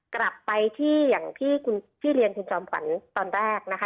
กลับไปที่อย่างที่คุณพี่เรียนคุณจอมขวัญตอนแรกนะคะ